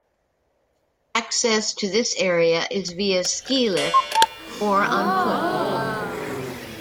Access to this area is via ski lift or on foot.